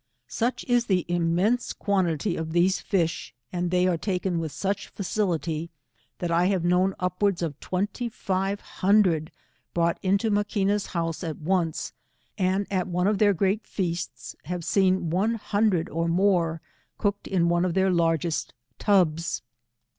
Such is the immense quantity of these fish, and they are taiien with such facility, that I have known upward^s of twenty five hundred brought into Maquina's house at once, and at one of their great feasts, have seen one hundred or more cooked in one of their largest tubs.